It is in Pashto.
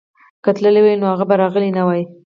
که تللي وای نو هغوی به راغلي نه وای.